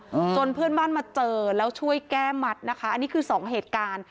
จนเพื่อนบ้านมาเจอแล้วช่วยแก้มัดนะคะอันนี้คือสองเหตุการณ์